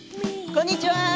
こんにちは。